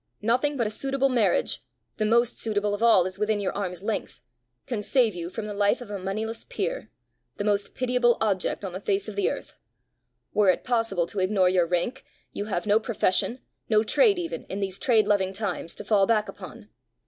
Nothing but a suitable marriage the most suitable of all is within your arm's length can save you from the life of a moneyless peer the most pitiable object on the face of the earth. Were it possible to ignore your rank, you have no profession, no trade even, in these trade loving times, to fall back upon.